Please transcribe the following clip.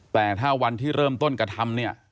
แต่ถ้าวันที่เริ่มต้นกระทำเนี่ย